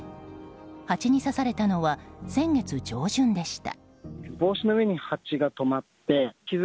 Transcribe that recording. ハチに刺されたのは先月上旬でした。